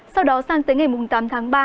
sau đó sang tới ngày tám tháng ba